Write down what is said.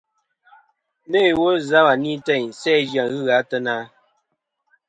Nô iwo zɨ̀ a va ni teyn sæ zɨ-a ghɨ gha ateyna ?